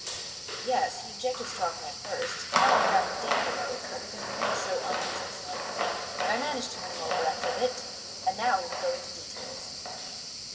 "Yes, he objected strongly at first; not on the ground of danger, though, but because the thing is 'so unbusiness like.' But I managed to win him over after a bit. And now we will go into details."